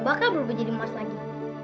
bakal berubah jadi emas lagi